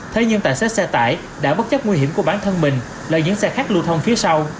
thế nhưng tài xế xe tải đã bất chấp nguy hiểm của bản thân mình lời những xe khác lưu thông phía sau